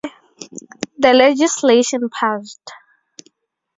The legislation passed.